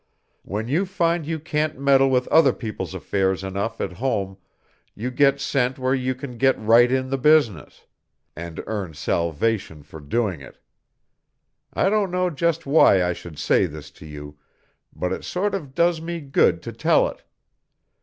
When you find you can't meddle with other people's affairs enough at home you get sent where you can get right in the business and earn salvation for doing it. I don't know just why I should say this to you, but it sort of does me good to tell it.